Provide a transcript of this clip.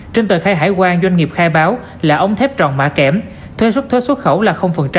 trên tờ khai hải quan doanh nghiệp khai báo là ống thép tròn mã kẻm thuê xuất thuê xuất khẩu là